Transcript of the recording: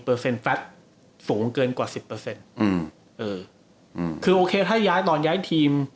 เปอร์เซ็นต์แฟลต์สูงเกินกว่าสิบเปอร์เซ็นต์อืมเออคือโอเคถ้าย้ายตอนย้ายทีม